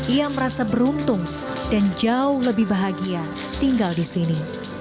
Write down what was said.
ia merasa beruntung dan jauh lebih bahagia tinggal di sini